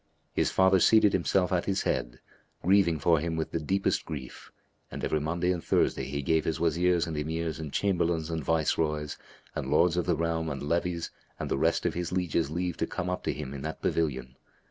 His father seated himself at his head, grieving for him with the deepest grief, and every Monday and Thursday he gave his Wazirs and Emirs and Chamberlains and Viceroys and Lords of the realm and levies and the rest of his lieges leave to come up to him in that pavilion.